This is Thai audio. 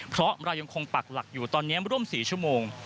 เพราะเรายังคงปักหลักอยู่ตอนนี้ร่วม๔ชั่วโมง